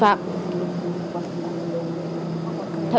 thậm chí còn định bỏ đi như thế này